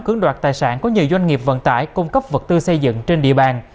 cưỡng đoạt tài sản của nhiều doanh nghiệp vận tải cung cấp vật tư xây dựng trên địa bàn